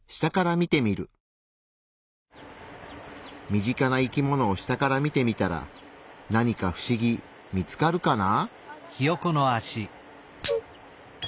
身近な生き物を下から見てみたらなにかフシギ見つかるかな？